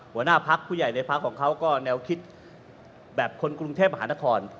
หัวหน้าพักผู้ใหญ่ในพักของเขาก็แนวคิดแบบคนกรุงเทพมหานคร